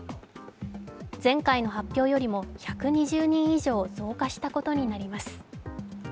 前回の発表よりも１２０人以上増加したことになります。